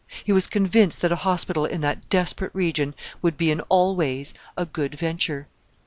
He was convinced that a hospital in that desperate region would be in all ways a good venture.